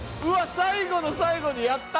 最後の最後にやった！